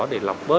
để tránh bối rối